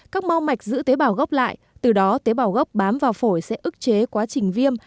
các mau mạch giữ tế bào gốc lại từ đó tế bào gốc bám vào phổi sẽ ức chế quá trình viêm